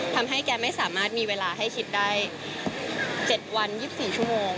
ทำให้แกไม่สามารถมีเวลาให้คิดได้๗วัน๒๔ชั่วโมง